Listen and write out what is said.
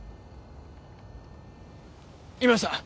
いました！